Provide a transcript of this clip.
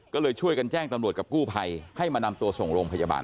ก็เลยช่วยกันแจ้งตำรวจกับกู้ภัยให้มานำตัวส่งโรงพยาบาล